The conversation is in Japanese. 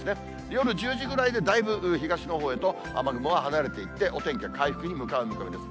夜１０時ぐらいでだいぶ東のほうへと雨雲は離れていって、お天気は回復に向かう見込みです。